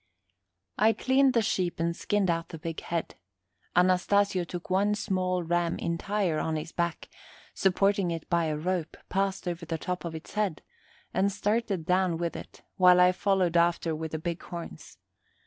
I cleaned the sheep and skinned out the big head. Anastasio took one small ram entire on his back, supporting it by a rope passed over the top of his head, and started down with it, while I followed after with the big horns.